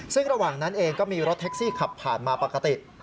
ซึ่งระหว่างนั้นเองก็มีรถแท็กซี่ขับผ่านมาปกติ